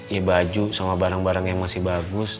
ya baju sama barang barang yang masih bagus